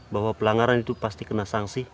bahwa pelanggaran itu pasti kena sanksi